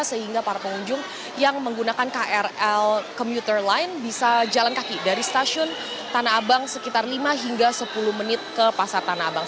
sehingga para pengunjung yang menggunakan krl komuter line bisa jalan kaki dari stasiun tanah abang sekitar lima hingga sepuluh menit ke pasar tanah abang